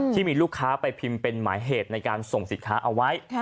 ที่มีลูกค้าไปพิมพ์เป็นหมายเหตุในการส่งสินค้าเอาไว้